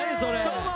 どうも！